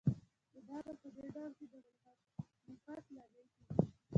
نو دا په دې ډله کې د مخالفت لامل کېږي.